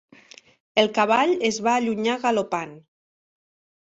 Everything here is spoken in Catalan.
El cavall es va allunyar galopant.